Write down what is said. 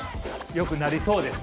よくなりそうです。